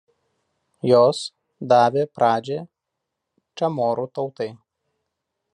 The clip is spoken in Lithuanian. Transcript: Jos davė pradžią čamorų tautai.